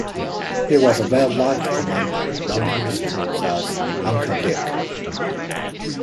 He was a well liked commander known to his troops as "Uncle Dick".